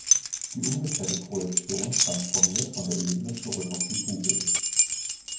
Die umgekehrte Projektion transformiert von der Ebene zurück auf die Kugel.